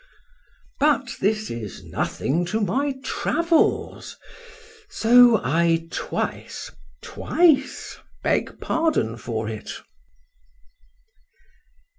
But this is nothing to my travels.—So I twice,—twice beg pardon for it.